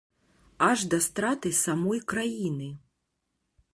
Аж да страты самой краіны.